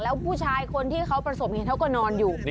แล้วผู้ชายคนที่เขาประสบเหตุเขาก็นอนอยู่